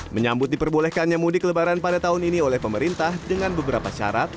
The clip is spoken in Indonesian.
menyambut diperbolehkannya mudik lebaran pada tahun ini oleh pemerintah dengan beberapa syarat